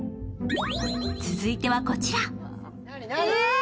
続いてはこちら。